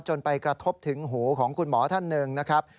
ไปกระทบถึงหูของคุณหมอท่านหนึ่งนะครับ